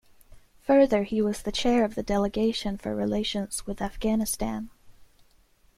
Further he was the chair of the Delegation for relations with Afghanistan.